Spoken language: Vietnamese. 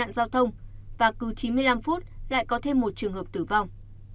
cứ hai mươi năm phút lại có thêm một người bị tai nạn giao thông và cứ chín mươi năm phút lại có thêm một trường hợp tử vong